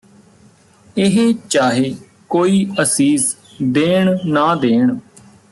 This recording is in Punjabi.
ਇਹ ਚਾਹੇ ਕੋਈ ਅਸੀਸ ਦੇਣ ਨਾ ਦੇਣ